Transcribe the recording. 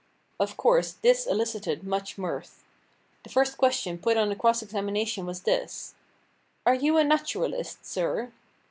Of course this elicited much mirth. The first question put on the cross examination was this: "Are you a naturalist, sir?"